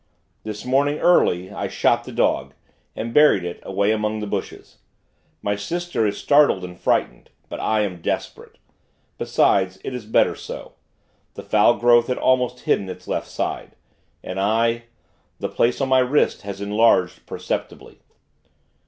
This morning, early, I shot the dog, and buried it, away among the bushes. My sister is startled and frightened; but I am desperate. Besides, it is better so. The foul growth had almost hidden its left side. And I the place on my wrist has enlarged, perceptibly.